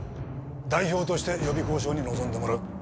代表として予備交渉に臨んでもらう。